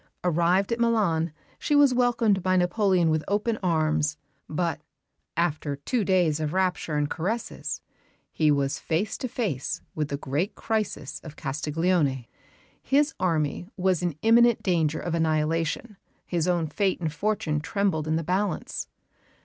Arrived at Milan, she was welcomed by Napoleon with open arms; but "after two days of rapture and caresses," he was face to face with the great crisis of Castiglione. His army was in imminent danger of annihilation; his own fate and fortune trembled in the balance.